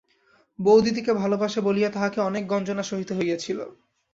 বউদিদিকে ভালোবাসে বলিয়া তাহাকে অনেক গঞ্জনা সহিতে হইয়াছিল।